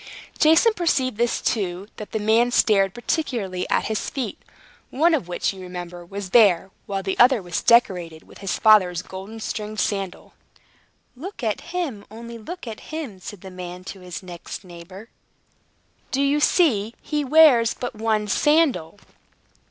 Jason perceived, too, that the man stared particularly at his feet, one of which, you remember, was bare, while the other was decorated with his father's golden stringed sandal. "Look at him! only look at him!" said the man to his next neighbor. "Do you see? He wears but one sandal!"